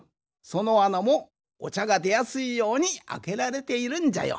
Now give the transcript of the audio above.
そのあなもおちゃがでやすいようにあけられているんじゃよ。